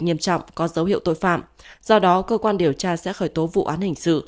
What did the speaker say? nghiêm trọng có dấu hiệu tội phạm do đó cơ quan điều tra sẽ khởi tố vụ án hình sự